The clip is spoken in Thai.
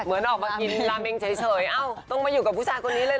เหมือนออกมากินลาเมงเฉยเอ้าต้องมาอยู่กับผู้ชายคนนี้เลย